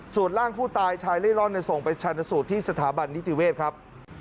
สูตรร่างผู้ตายชายเล่นครเล่นครเล่นร่วนในทรงไปชันนสูตรที่สถาบันนิติเวศครับ